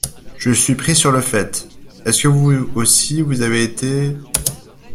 Je suis pris sur le fait. Est-ce que vous aussi vous avez été…